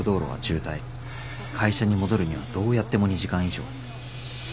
会社に戻るにはどうやっても２時間以上。